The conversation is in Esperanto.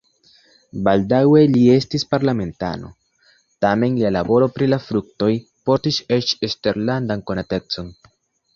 Baldaŭe li estis parlamentano, tamen lia laboro pri la fruktoj portis eĉ eksterlandan konatecon.